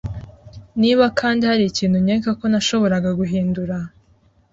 Niba kandi hari ikintu nkeka ko nashoboraga guhindura;